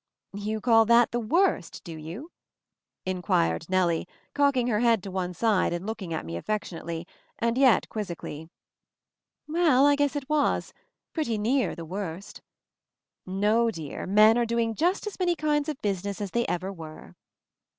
"You call that 'the worst,' do you?" in quired Nellie, cocking her head to one side and looking at me affectionately, and yet quizzically. "Well, I guess it was — pretty near 'the worst!' No dear, men are doing just as many kinds of business as they ever were."